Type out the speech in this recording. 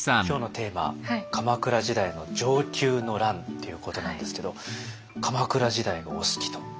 今日のテーマ「鎌倉時代の承久の乱」ということなんですけど鎌倉時代がお好きと。